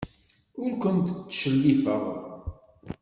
Ur kent-ttcellifeɣ.